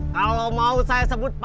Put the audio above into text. kalau mau saya sebut